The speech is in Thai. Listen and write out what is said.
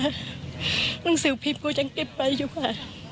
หนังสือพิมพ์กูยังเก็บไปอยู่ค่ะ